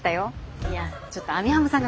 いやちょっと網浜さんが騒ぎだして。